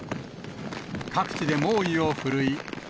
各地で猛威を振るい。